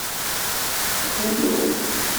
Ad ternum?